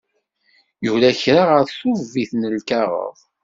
Yura kra ɣef tubbit n lkaɣeḍ.